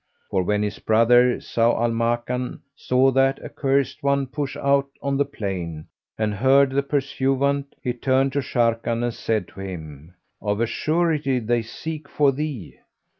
For when his brother, Zau al Makan, saw that accursed one push out on the plain, and heard the pursuivant, he turned to Sharrkan and said to him, "Of a surety they seek for thee."